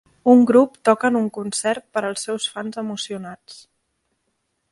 Un grup toca en un concert per als seus fans emocionats.